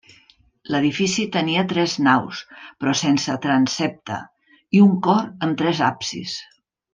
L'edifici tenia tres naus, però sense transsepte, i un cor amb tres absis.